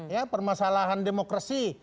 ya permasalahan demokrasi